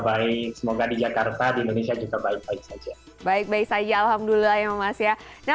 baik semoga di jakarta di indonesia juga baik baik saja baik baik saja alhamdulillah ya mas ya nah